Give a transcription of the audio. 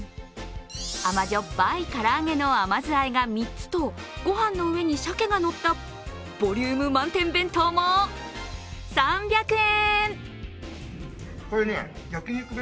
甘じょっぱい唐揚げの甘酢和えが３つとご飯の上にシャケが乗ったボリューム満点弁当も３００円。